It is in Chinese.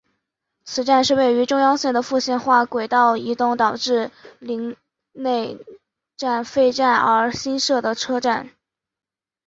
此站是位于中央线的复线化轨道移动导致陵内站废站而新设的车站。